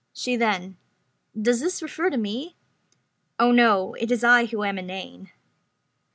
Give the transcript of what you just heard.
She then: "Does this refer to me?" "Oh no, it is I who am inane."